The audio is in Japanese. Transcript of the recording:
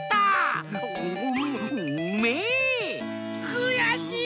くやしい！